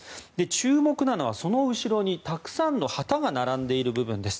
注目なのは、その後ろにたくさんの旗が並んでいる部分です。